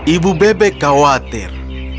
ibu bebek khawatir